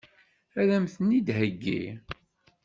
Ad m-ten-id-theggi?